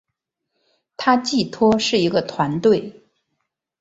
它寄托是一个团队